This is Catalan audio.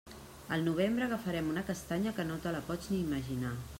Al novembre agafarem una castanya que no te la pots ni imaginar.